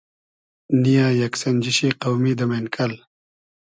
نییۂ یئگ سئنجیشی قۆمی دۂ مېنکئل